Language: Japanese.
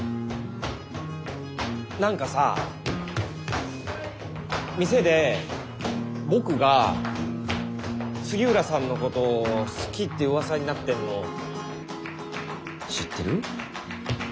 何かさ店で僕が杉浦さんのことを好きってうわさになってるの知ってる？